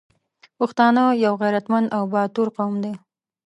پښتانه یو غریتمند او باتور قوم دی